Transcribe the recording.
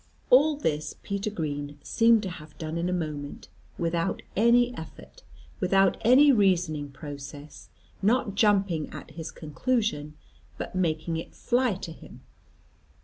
All this Peter Green seemed to have done in a moment, without any effort, without any reasoning process; not jumping at his conclusion, but making it fly to him.